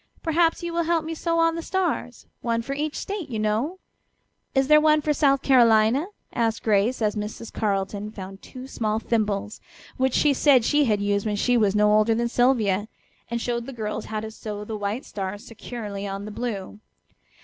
"Perhaps you will help me sew on the stars, one for each State, you know." "Is there one for South Carolina?" asked Grace, as Mrs. Carleton found two small thimbles, which she said she had used when she was no older than Sylvia, and showed the girls how to sew the white stars securely on the blue.